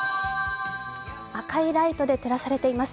赤いライトで照らされています。